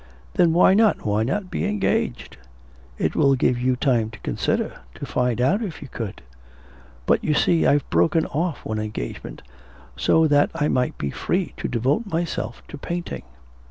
'Then why not, why not be engaged? It will give you time to consider, to find out if you could.' 'But, you see, I've broken off one engagement, so that I might be free to devote myself to painting.'